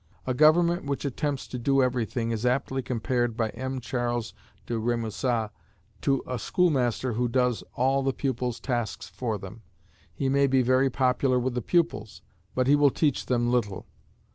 A government which attempts to do every thing is aptly compared by M. Charles de Rémusat to a schoolmaster who does all the pupils' tasks for them; he may be very popular with the pupils, but he will teach them little.